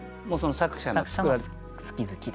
作者の好き好きで。